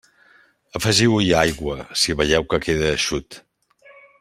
Afegiu-hi aigua si veieu que queda eixut.